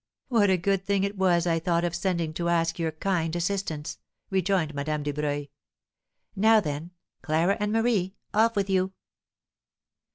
What a good thing it was I thought of sending to ask your kind assistance," rejoined Madame Dubreuil. "Now then, Clara and Marie, off with you!"